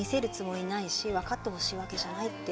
分かってほしいわけじゃないって。